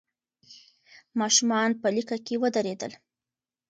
ماشومان په لیکه کې ودرېدل.